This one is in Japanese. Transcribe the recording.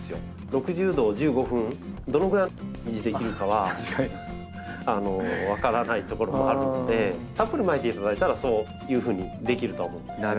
６０度を１５分どのぐらい維持できるかは分からないところもあるのでたっぷりまいていただいたらそういうふうにできるとは思うんですけども。